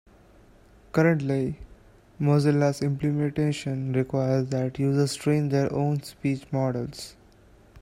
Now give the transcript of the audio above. Currently, Mozilla's implementation requires that users train their own speech models.